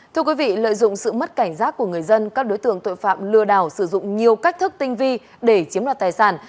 thưa quý vị lợi dụng sự mất cảnh giác của người dân các đối tượng tội phạm lừa đảo sử dụng nhiều cách thức tinh vi để chiếm đoạt tài sản